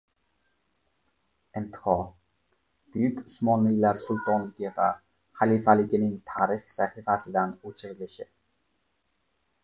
Intiho. Buyuk Usmonlilar sultonligi va xalifaligining tarix sahifasidan o‘chirilishi